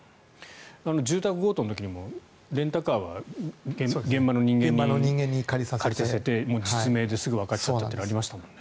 住宅強盗の時もレンタカーは現場の人間に借りさせて実名ですぐわかっちゃうというのがありましたもんね。